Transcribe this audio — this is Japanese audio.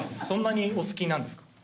そんなにお好きなんですか？